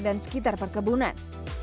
dan sekitar perkebunan